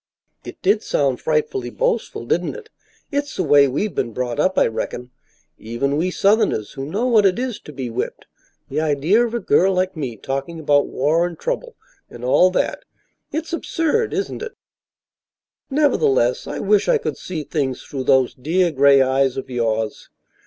"It did sound frightfully boastful, didn't it? It's the way we've been brought up, I reckon, even we southerners who know what it is to be whipped. The idea of a girl like me talking about war and trouble and all that! It's absurd, isn't it?" "Nevertheless, I wish I could see things through those dear gray eyes of yours.